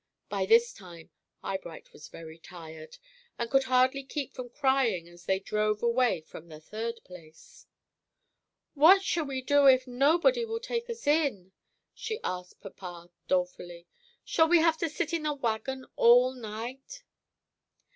By this time, Eyebright was very tired, and could hardly keep from crying as they drove away from the third place. "What shall we do if nobody will take us in?" she asked papa dolefully. "Shall we have to sit in the wagon all night?"